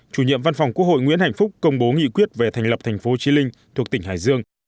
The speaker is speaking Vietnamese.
chủ nhiệm văn phòng quốc hội nguyễn hạnh phúc công bố nghị quyết về thành lập thành phố trí linh thuộc tỉnh hải dương